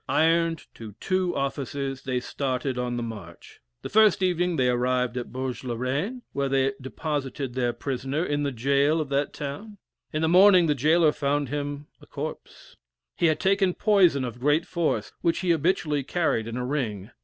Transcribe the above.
Ironed to two officers they started on the march. The first evening they arrived at Bourg la Reine, where they deposited their prisoner in the gaol of that town. In the morning the gaoler found him a corpse. He had taken a poison of great force, which he habitually carried in a ring.